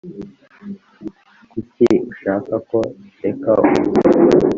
Kuki ushaka ko ndeka umuziki